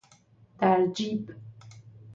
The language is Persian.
در جیب